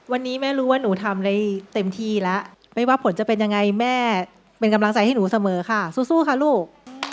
วันนี้แม่รู้ว่าหนูทำได้เต็มที่แล้วไม่ว่าผลจะเป็นยังไงแม่เป็นกำลังใจให้หนูเสมอค่ะสู้ค่ะลูก